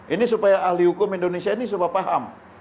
ini supaya ahli hukum indonesia ini supaya paham